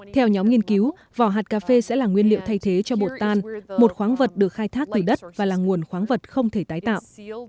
theo nhóm nghiên cứu vỏ hạt cà phê sẽ là nguyên liệu thay thế cho bột tan một khoáng vật được khai thác từ đất và là nguồn khoáng vật không thể tái tạo